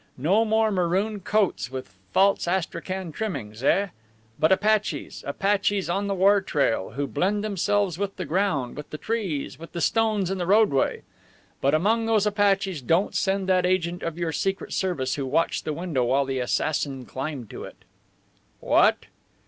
No more maroon coats with false astrakhan trimmings, eh? But Apaches, Apaches on the wartrail, who blend themselves with the ground, with the trees, with the stones in the roadway. But among those Apaches don't send that agent of your Secret Service who watched the window while the assassin climbed to it." "What?"